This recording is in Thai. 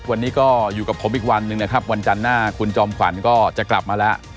วันนี้ก็อยู่กับผมอีกวันหนึ่งนะครับวันจันทร์หน้าคุณจอมขวัญก็จะกลับมาแล้ว